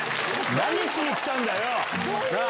何しに来たんだよ。なぁ。